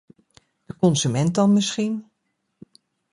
De consument dan misschien?